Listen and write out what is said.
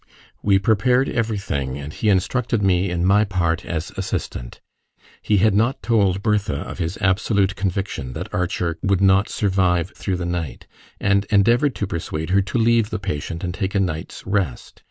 We prepared everything, and he instructed me in my part as assistant. He had not told Bertha of his absolute conviction that Archer would not survive through the night, and endeavoured to persuade her to leave the patient and take a night's rest.